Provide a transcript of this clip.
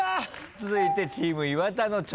続いてチーム岩田の挑戦です。